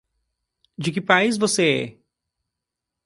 De que país você é?